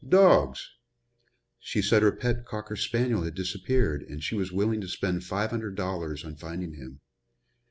Dogs!" "She said her pet cocker spaniel had disappeared and she was willing to spend five hundred dollars on finding him."